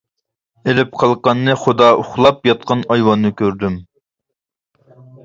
ئېلىپ قالقاننى خۇدا ئۇخلاپ ياتقان ئايۋاننى كۆردۈم.